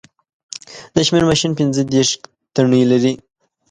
د شمېر ماشین پینځه دېرش تڼۍ لري